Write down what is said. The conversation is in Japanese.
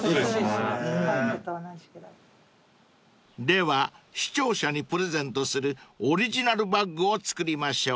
［では視聴者にプレゼントするオリジナルバッグを作りましょう］